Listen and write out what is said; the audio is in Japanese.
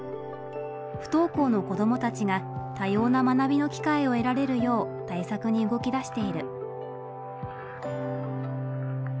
不登校の子どもたちが多様な学びの機会を得られるよう対策に動き出している。